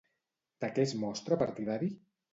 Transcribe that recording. De què es mostra partidari?